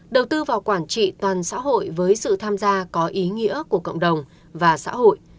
đầu tư vào quản trị toàn xã hội với sự tham gia có ý nghĩa của cộng đồng và xã hội